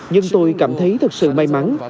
nhưng tôi cảm thấy thật sự may mắn